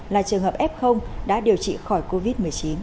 là trường hợp f đã điều trị khỏi covid một mươi chín